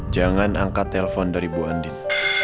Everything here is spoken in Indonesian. jangan angkat telpon dari bu andin